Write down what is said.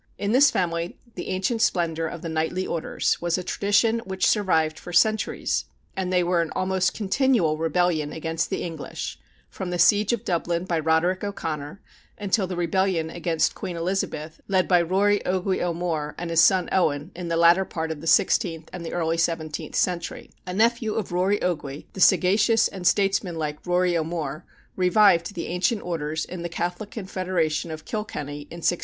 In this family the ancient splendor of the knightly orders was a tradition which survived for centuries, and they were in almost continual rebellion against the English, from the siege of Dublin by Roderick O'Connor until the rebellion against Queen Elizabeth, led by Rory Oge O'More and his son Owen in the latter part of the sixteenth and the early seventeenth century. A nephew of Rory Oge, the sagacious and statesmanlike Rory O'More, revived the ancient orders in the Catholic Confederation of Kilkenny in 1642.